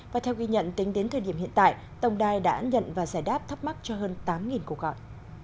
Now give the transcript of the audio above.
và theo ghi nhận tính đến thời điểm hiện tại tổng đài đã nhận và giải đáp thắc mắc cho hơn tám cuộc gọi